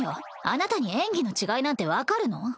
あなたに演技の違いなんて分かるの？